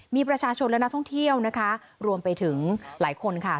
มีประชาชนและนักท่องเที่ยวนะคะรวมไปถึงหลายคนค่ะ